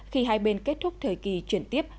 khi hai bên kết thúc thời kỳ chuyển tiếp